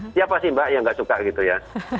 siapa sih mbak yang nggak suka gitu ya